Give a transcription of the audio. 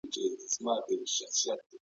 راتلونکی پړاو تر تېر سوي غوره دی.